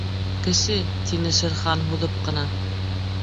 — Кеше! — тине Шер Хан һуҙып ҡына.